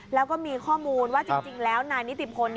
แล้วก็มีข้อมูลว่าจริงแล้วนายนิติพล